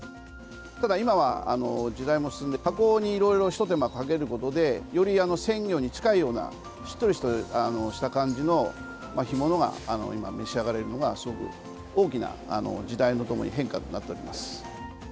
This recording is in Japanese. ただ今は時代も進んで、加工にいろいろひと手間かけることでより鮮魚に近いようなしっとりとした感じの干物が今、召し上がれるのがすごく、大きな時代とともに変化となっております。